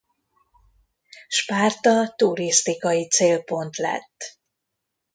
Spárta turisztikai célpont lett.